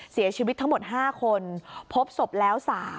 เสียชีวิตทั้งหมด๕คนพบศพแล้ว๓